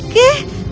ya aku di sini